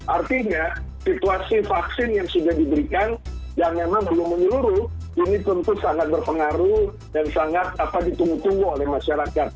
artinya situasi vaksin yang sudah diberikan dan memang belum menyeluruh ini tentu sangat berpengaruh dan sangat ditunggu tunggu oleh masyarakat